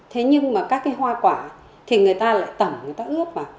thế nhưng mà các cái hoa quả thì người ta lại tẩm người ta ướp vào